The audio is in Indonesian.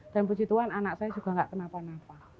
dan puji tuhan anak saya juga tidak kenapa napa